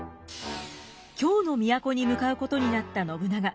京の都に向かうことになった信長。